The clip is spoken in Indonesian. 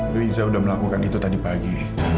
riza sudah melakukan itu tadi pagi